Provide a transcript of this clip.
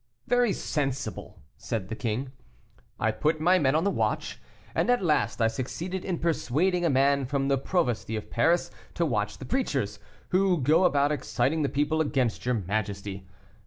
"Very sensible!" said the king. "I put men on the watch, and at last I succeeded in persuading a man from the provosty of Paris to watch the preachers, who go about exciting the people against your majesty.